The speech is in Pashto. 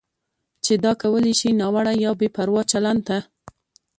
چې دا کولی شي ناوړه یا بې پروا چلند ته